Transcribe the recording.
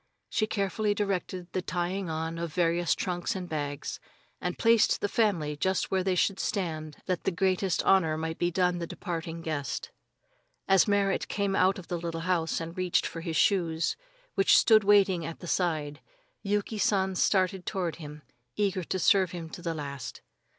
She carefully directed the tying on of the various trunks and bags, and placed the family just where they should stand that the greatest honor might be done the departing guest. As Merrit came out of the little house and reached for his shoes, which stood waiting at the side, Yuki San started toward him, eager to serve him to the last.